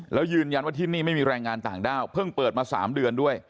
แล้วยืนยันว่าที่นี่ไม่มีแรงงานต่างด้าวเพิ่งเปิดมา๓เดือนด้วย